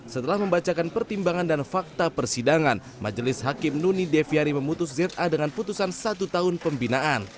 setelah membacakan pertimbangan dan fakta persidangan majelis hakim nuni deviari memutus za dengan putusan satu tahun pembinaan